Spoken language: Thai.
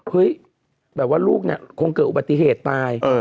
เฮ้ยแบบว่าลูกเนี่ยคงเกิดอุบัติเหตุตาย